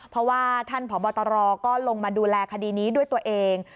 เพราะว่าท่านผอบตรก็ลงมาดูแลคดีนี้ด้วยตัวเอง